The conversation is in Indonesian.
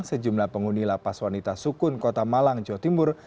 sejumlah penghuni lapas wanita sukun kota malang jawa timur